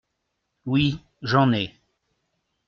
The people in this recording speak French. Oui. J’en ai.